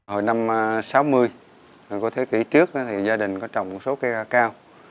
hồi năm sáu mươi của thế kỷ trước gia đình có trồng một số cây ca cao